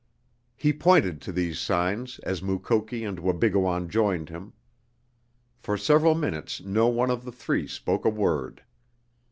He pointed to these signs as Mukoki and Wabigoon joined him. For several minutes no one of the three spoke a word.